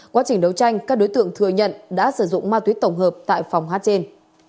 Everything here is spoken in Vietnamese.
quá trình đấu tranh các đối tượng thừa nhận đã sử dụng ma túy tổng hợp tại phòng hát trên